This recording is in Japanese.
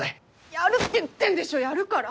やるって言ってんでしょやるから！